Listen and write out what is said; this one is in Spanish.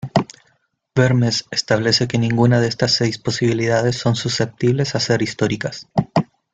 Vermes establece que ninguna de estas seis posibilidades son susceptibles a ser históricas.